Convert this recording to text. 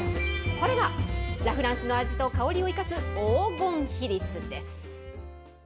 これがラ・フランスの味と香りを生かす黄金比率です。